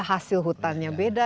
hasil hutannya beda